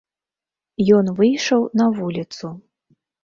Ён выйшаў на вуліцу.